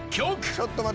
ちょっと待って。